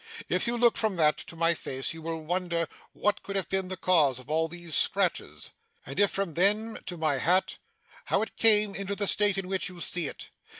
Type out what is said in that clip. If you look from that, to my face, you will wonder what could have been the cause of all these scratches. And if from them to my hat, how it came into the state in which you see it.